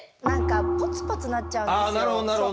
何かポツポツなっちゃうんですよ。